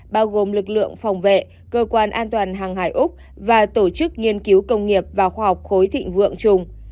bao gồm lực lượng phòng vệ cơ quan an toàn hàng hải úc và tổ chức nghiên cứu công nghiệp và khoa học khối thịnh vượng chung